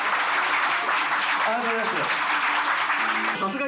ありがとうございます。